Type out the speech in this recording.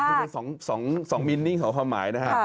มันเป็น๒มินต์นิ่งของความหมายนะครับ